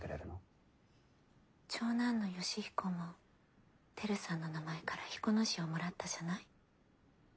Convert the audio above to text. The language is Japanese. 長男の義彦も輝さんの名前から彦の字をもらったじゃない。